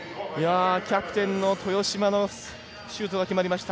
キャプテンの豊島のシュートが決まりました。